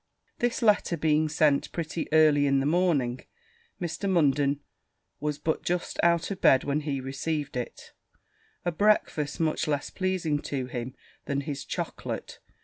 This letter being sent pretty early in the morning, Mr. Munden was but just out of bed when he received it a breakfast much less pleasing to him than his chocolate.